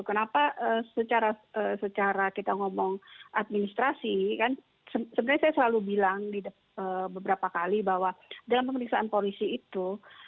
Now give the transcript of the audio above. kenapa secara kita ngomong administrasi kan sebenarnya saya selalu bilang di beberapa kali bahwa dalam pemeriksaan polisi itu